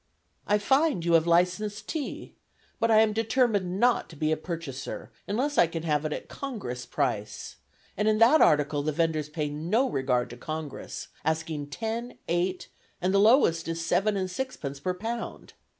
"I find you have licensed tea, but I am determined not to be a purchaser unless I can have it at Congress price, and in that article the vendors pay no regard to Congress, asking ten, eight, and the lowest is seven and sixpence per pound.